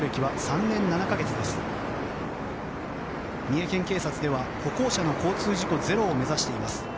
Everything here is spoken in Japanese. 三重県警察では、歩行者の交通事故ゼロを目指しています。